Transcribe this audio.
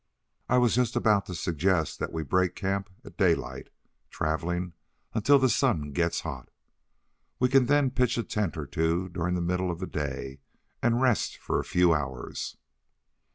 "I was just about to suggest that we break camp at daylight, traveling until the sun gets hot. We can then pitch a tent or two during the middle of the day, and rest for a few hours."